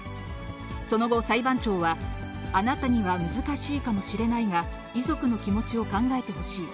その後、裁判長は、あなたには難しいかもしれないが、遺族の気持ちを考えてほしい。